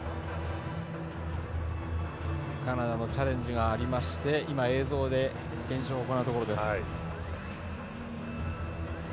カナダのチャレンジがありまして今、映像で検証を行うところです。